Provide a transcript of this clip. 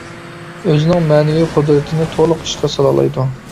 ئۆزىنىڭ مەنىۋى قۇدرىتىنى تولۇق ئىشقا سالالايدۇ.